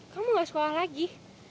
kamu nggak sekolah lagi